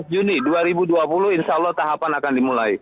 empat belas juni dua ribu dua puluh insya allah tahapan akan dimulai